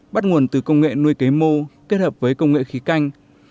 bắt nguồn từ công nghệ nuôi cấy mô kết hợp với công nghệ khí canh